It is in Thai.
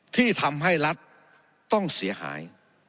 ที่ทำให้รัฐต้องเสียหาย